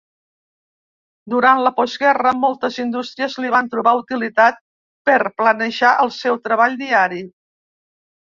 Durant la postguerra, moltes indústries li van trobar utilitat per planejar el seu treball diari.